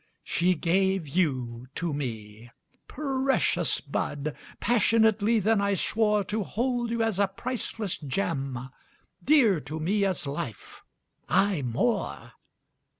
She gave you to me. Precious bud! Passionately then I swore To hold you as a priceless gem, Dear to me as life aye more!